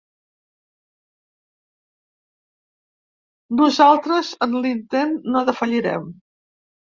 Nosaltres en l’intent no defallirem.